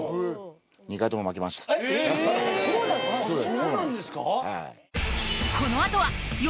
そうなんですか？